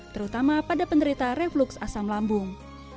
terutama pada penderita reflux asam lambung